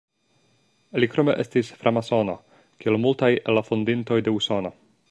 Li krome estis framasono, kiel multaj el la fondintoj de Usono.